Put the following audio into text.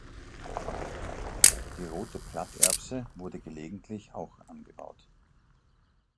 Die Rote Platterbse wurde gelegentlich auch angebaut.